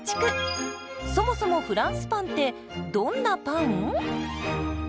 そもそもフランスパンってどんなパン？